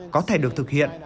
có thể được thực hiện